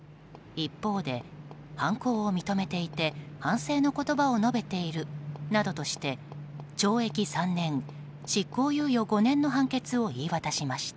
一方で犯行を認めていて反省の言葉を述べているなどとして懲役３年、執行猶予５年の判決を言い渡しました。